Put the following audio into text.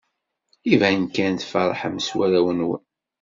Iban kan tfeṛḥem s warraw-nwen.